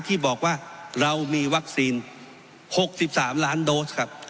ที่บอกว่าเรามีวัคซีน๖๓ล้านโดสครับ